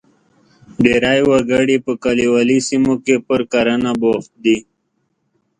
ډېری وګړي په کلیوالي سیمو کې پر کرنه بوخت دي.